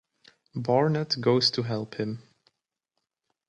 Barnett goes to help him.